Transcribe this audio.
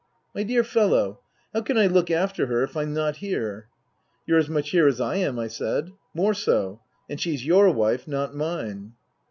" My dear fellow, how can I look after her if I'm not here ?"" You're as much here as I am," I said. " More so. And she's your wife, not mine."